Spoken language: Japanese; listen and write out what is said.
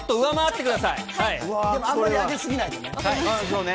あんまり上げすぎないでね。